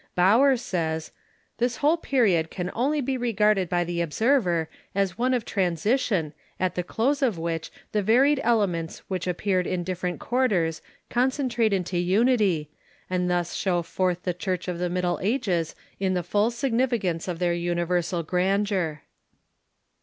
Baur says :" This Avhole period can only be regarded by the observer as one of transition, at the close of which the' varied demerits which appeared in different quarters concen trate into unity, and thus show forth the Church of the Mid dle Ages in the full significance of their universal grandeur."